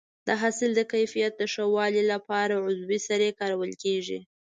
د حاصل د کیفیت ښه والي لپاره عضوي سرې کارول کېږي.